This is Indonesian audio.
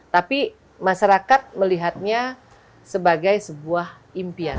tapi masyarakat melihatnya sebagai sebuah impian